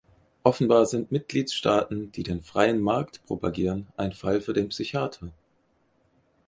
Offenbar sind Mitgliedstaaten, die den freien Markt propagieren, ein Fall für den Psychiater.